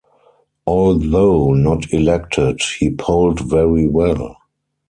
Although not elected, he polled very well.